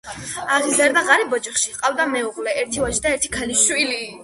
აღიზარდა ღარიბ ოჯახში, ჰყავდა მეუღლე, ერთი ვაჟი და ერთი ქალიშვილი.